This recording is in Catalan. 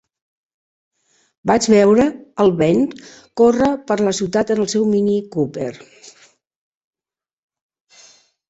Vaig veure el Ben córrer per la ciutat amb el seu Mini Cooper.